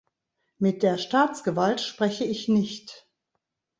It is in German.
Mit der Staatsgewalt spreche ich nicht.